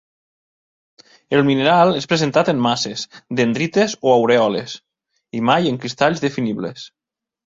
El mineral és presentat en masses, dendrites o aurèoles, i mai en cristalls definibles.